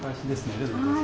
ありがとうございます。